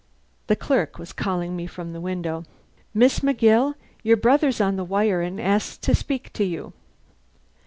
The clerk was calling me from the window: "Miss McGill, your brother's on the wire and asks to speak to you."